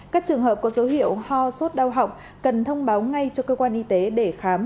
các trường hợp có dấu hiệu ho sốt đau họng cần thông báo ngay cho cơ quan y tế để khám